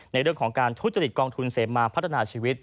ในเรื่องของการทุจริตกองทุนเสมาพัฒนาชีวิต